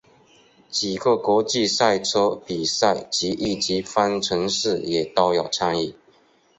几个国际赛车比赛及一级方程式也都有参与。